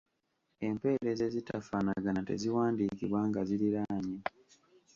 Empeerezi ezitafaanagana teziwandiikibwa nga ziriraanye.